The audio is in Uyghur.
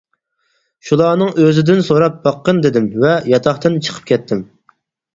شۇلارنىڭ ئۆزىدىن سوراپ باققىن-دېدىم ۋە ياتاقتىن چىقىپ كەتتىم.